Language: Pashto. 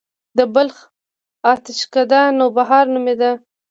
د بلخ اتشڪده نوبهار نومیده